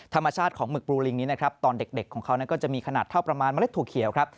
ธรรมชาติของหมึกบรูลิงนี้นะครับตอนเด็กของเขานั้นก็จะมีขนาดเท่าประมาณเมล็ดถั่วเขียวครับ